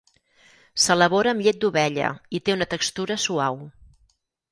S'elabora amb llet d'ovella i té una textura suau.